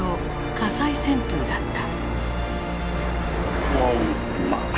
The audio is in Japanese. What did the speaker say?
火災旋風だった。